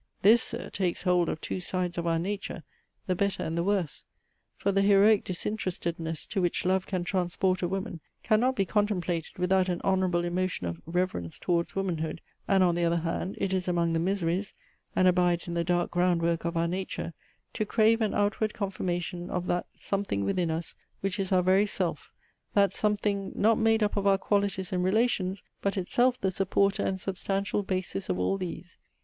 this, sir, takes hold of two sides of our nature, the better and the worse. For the heroic disinterestedness, to which love can transport a woman, can not be contemplated without an honourable emotion of reverence towards womanhood: and, on the other hand, it is among the miseries, and abides in the dark ground work of our nature, to crave an outward confirmation of that something within us, which is our very self, that something, not made up of our qualities and relations, but itself the supporter and substantial basis of all these.